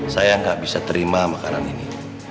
saya nggak bisa terima makanan ini